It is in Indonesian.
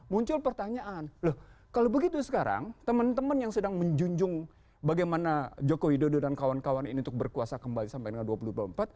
muncul pertanyaan loh kalau begitu sekarang teman teman yang sedang menjunjung bagaimana joko widodo dan kawan kawan ini untuk berkuasa kembali sampai dengan dua ribu dua puluh empat